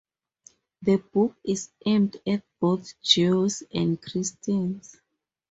The book is aimed at both Jews and Christians.